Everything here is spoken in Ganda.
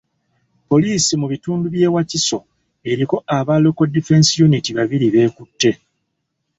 Poliisi mu bitundu by'e Wakiso eriko aba Local Defence Unit babiri b'ekutte.